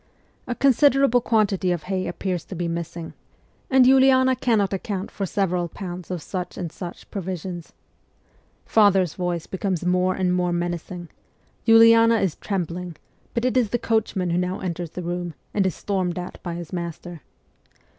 A considerable quantity of hay appears to be missing, and 68 MEMOIRS OF A REVOLUTIONIST Uliana cannot account for several pounds of such and such provisions. Father's voice becomes more and more menacing ; Uliana is trembling ; but it is the coachman who now enters the room, and is stormed at by his master.